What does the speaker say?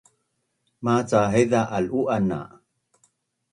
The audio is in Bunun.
Maca haiza al’u’an na